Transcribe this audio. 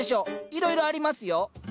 いろいろありますよ。